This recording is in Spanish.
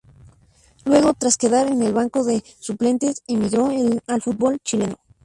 Luego, tras quedar en el banco de suplentes, emigró al fútbol chileno.